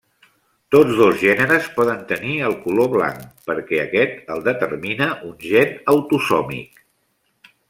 Tots dos gèneres poden tenir el color blanc, perquè aquest el determina un gen autosòmic.